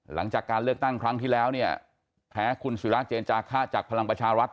หลังจากการเลือกตั้งครั้งที่แล้วแพ้คุณสุริลักษณ์เจนจากฆ่าจากพลังประชาวรัฐ